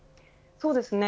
そうですね。